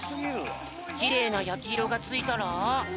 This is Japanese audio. きれいなやきいろがついたら。